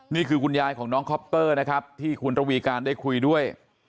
คุณยายของน้องคอปเตอร์นะครับที่คุณระวีการได้คุยด้วย